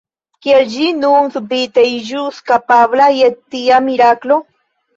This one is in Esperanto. Kiel ĝi nun subite iĝus kapabla je tia miraklo?